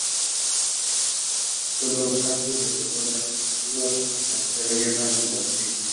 Pasó luego a Francia y retornó al Perú tras finalizar la guerra del Pacífico.